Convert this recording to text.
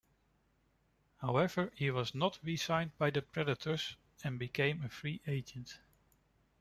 However, he was not re-signed by the Predators and became a free agent.